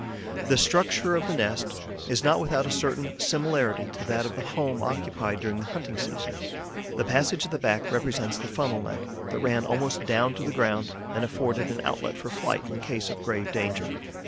The structure of the nest is not without a certain similarity to that of the home occupied during the hunting season. The passage at the back represents the funnel neck, that ran almost down to the ground and afforded an outlet for flight in case of grave danger.